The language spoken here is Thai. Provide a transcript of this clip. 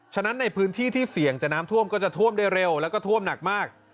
ฉะนั้นในพื้นที่ที่เสี่ยงจะน้ำท่วมก็จะท่วมได้เร็วแล้วก็ท่วมหนักมาก